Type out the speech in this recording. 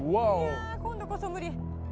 いや今度こそ無理。